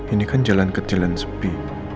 ini kan jalan kecil yang sepi